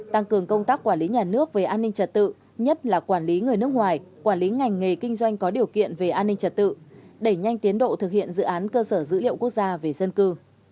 tăng cường công tác quản lý nhà nước về an ninh trật tự nhất là quản lý người nước ngoài quản lý ngành nghề kinh doanh có điều kiện về an ninh trật tự đẩy nhanh tiến độ thực hiện dự án cơ sở dữ liệu quốc gia về dân cư